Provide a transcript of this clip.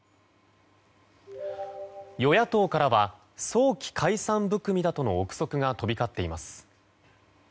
与野党からは早期解散含みだとの憶測が飛び交っています。